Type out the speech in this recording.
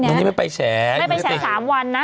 ไม่เลยไปแฉะไม่ไปแฉะความวันนะ